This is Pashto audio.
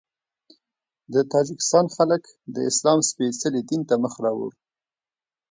د تاجکستان خلک د اسلام سپېڅلي دین ته مخ راوړ.